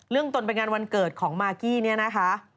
เรื่องตนเป็นงานวันเกิดของมาร์กี้เนี่ยนะฮะ